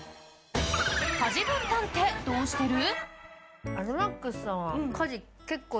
家事分担ってどうしてる？